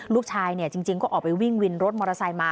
ลูกชายจริงก็ออกไปวิ่งวินรถมอเตอร์ไซค์มา